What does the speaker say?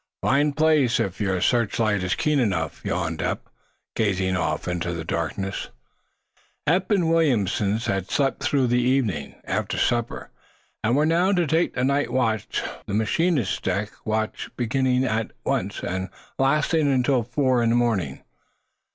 "Fine place, if your searchlight is keen enough," yawned Eph, gazing off into the darkness. Eph and Williamson had slept through the evening, after supper, and were now to take the night watch tricks, the machinist's deck watch beginning at once and lasting until four in the morning.